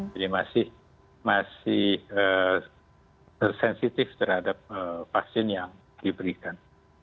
jadi masih sensitif terhadap vaksin yang diberikan